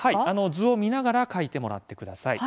図を見ながら書いてもらってください。